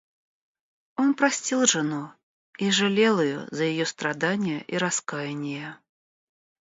Он простил жену и жалел ее за ее страдания и раскаяние.